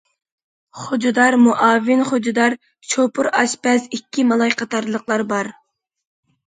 خوجىدار، مۇئاۋىن خوجىدار، شوپۇر، ئاشپەز، ئىككى مالاي قاتارلىقلار بار.